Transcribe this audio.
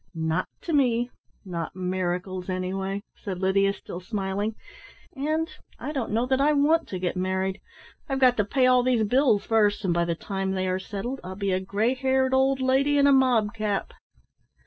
"Not to me not miracles, anyway," said Lydia, still smiling, "and I don't know that I want to get married. I've got to pay all these bills first, and by the time they are settled I'll be a grey haired old lady in a mob cap."